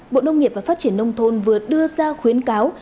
bộ nông nghiệp và phát triển nông thôn vừa đưa ra khuyến cáo